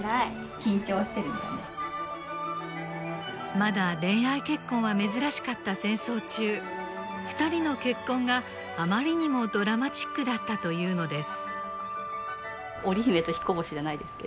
まだ恋愛結婚は珍しかった戦争中二人の結婚があまりにもドラマチックだったというのです。